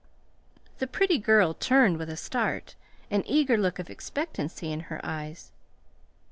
The pretty girl turned with a start, an eager look of expectancy in her eyes.